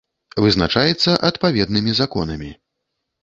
Вызначаецца адпаведнымі законамі.